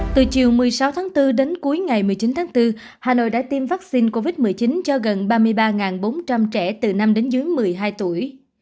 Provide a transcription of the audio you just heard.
từ chiều một mươi sáu tháng bốn đến cuối ngày một mươi chín tháng bốn hà nội đã tiêm vaccine covid một mươi chín cho gần ba mươi ba bốn trăm linh trẻ từ năm đến dưới một mươi hai tuổi